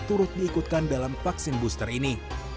turut diikutkan dalam vaksin booster ini